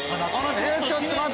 ちょっと待って！